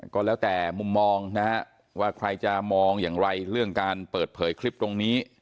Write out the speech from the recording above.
ก็แล้วแต่มุมมองนะฮะว่าใครจะมองอย่างไรเรื่องการเปิดเผยคลิปตรงนี้